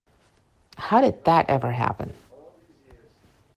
How did that ever happen?